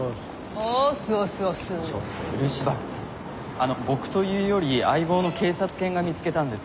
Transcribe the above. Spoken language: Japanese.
あの僕というより相棒の警察犬が見つけたんです。